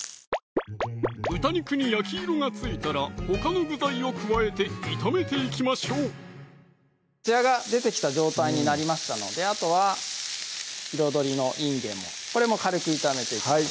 豚肉に焼き色がついたらほかの具材を加えて炒めていきましょうつやが出てきた状態になりましたのであとは彩りのいんげんもこれも軽く炒めていきます